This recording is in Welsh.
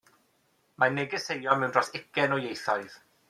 Mae negeseuon mewn dros ugain o ieithoedd.